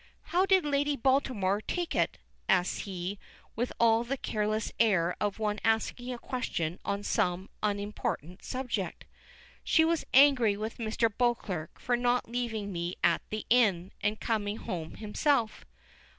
"How did Lady Baltimore take it?" asks he, with all the careless air of one asking a question on some unimportant subject. "She was angry with Mr. Beauclerk for not leaving me at the inn, and coming home himself."